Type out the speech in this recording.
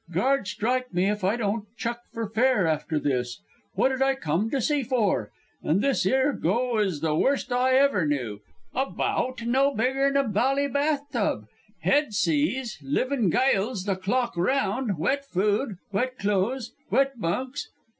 Gard strike me if I don't chuck fer fair after this. Wot'd I come to sea fer an' this 'ere go is the worst I ever knew a baoat no bigger'n a bally bath tub, head seas, livin' gyles the clock 'round, wet food, wet clothes, wet bunks.